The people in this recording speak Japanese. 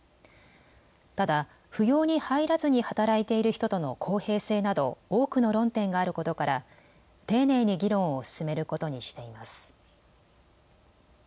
ただ扶養に入らずに働いている人との公平性など多くの論点があることから丁寧に議論を進めることにしています。